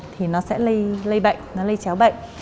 thì nó sẽ lây bệnh nó lây chéo bệnh